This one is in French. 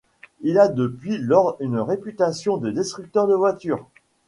Il a depuis lors une réputation de destructeur de voiture.